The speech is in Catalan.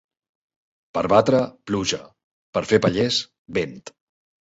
Per batre, pluja; per fer pallers, vent.